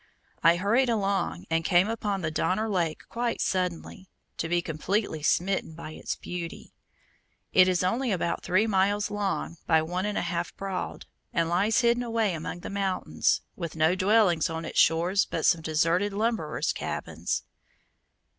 I hurried along, and came upon the Donner Lake quite suddenly, to be completely smitten by its beauty. It is only about three miles long by one and a half broad, and lies hidden away among mountains, with no dwellings on its shores but some deserted lumberers' cabins.